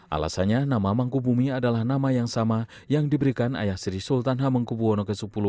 alasannya nama mangkubumi adalah nama yang sama yang diberikan ayah sri sultan hamengkubwono x